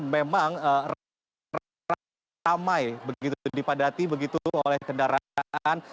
memang ramai begitu dipadati begitu oleh kendaraan